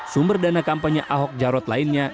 sumber dana kampanye ahok jarot lainnya